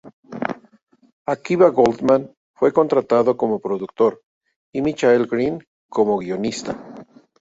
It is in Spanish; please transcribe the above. Akiva Goldsman fue contratado como productor y Michael Green como guionista.